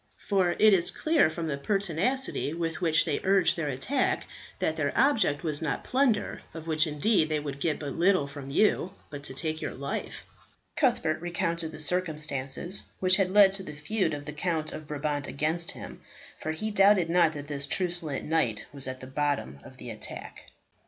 For it is clear from the pertinacity with which they urged their attack that their object was not plunder, of which indeed they would get but little from you, but to take your life." Cuthbert recounted the circumstances which had led to the feud of the Count of Brabant against him, for he doubted not that this truculent knight was at the bottom of the attack.